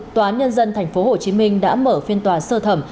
tòa án nhân dân tp hcm đã mở phiên tòa sơ thẩm